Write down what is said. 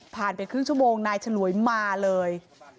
ไปครึ่งชั่วโมงนายฉลวยมาเลย